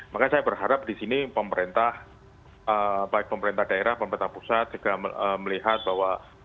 maka saya berharap di sini pemerintah baik pemerintah daerah pemerintah pusat juga melihat bahwa